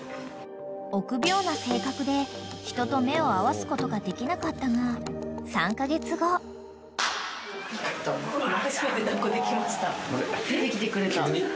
［臆病な性格で人と目を合わすことができなかったが３カ月後］出てきてくれた。